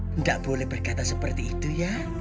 alvin nggak boleh berkata seperti itu ya